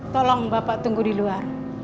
tolong bapak tunggu di luar